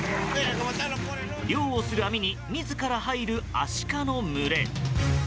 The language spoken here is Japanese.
漁をする網に自ら入るアシカの群れ。